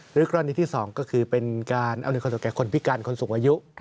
กรณีที่๒ก็คือเป็นการอำนวยความสุขแก่คนพิการคนสูงอายุ